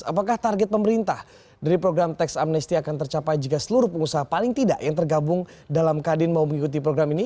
apakah target pemerintah dari program teks amnesty akan tercapai jika seluruh pengusaha paling tidak yang tergabung dalam kadin mau mengikuti program ini